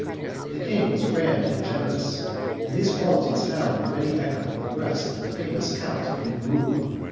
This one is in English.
The king was grand and generous, and these qualities found a ready echo in the breast of the famous Count de Bruhl.